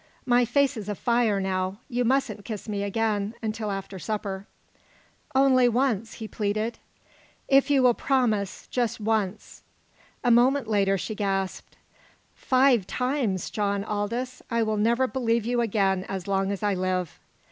"My face is afire now! You mustn't kiss me again until after supper " "Only once," he pleaded. "If you will promise just once " A moment later she gasped: "Five times! John Aldous, I will never believe you again as long as I live!"